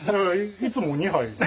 いつも２杯。